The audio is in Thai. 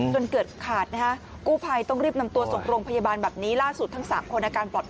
ส่วนเกิดขาดกูภัยรีบนำตัวไปหาศึกษ์ทั้ง๓คน